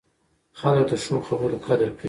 خلک د ښو خبرو قدر کوي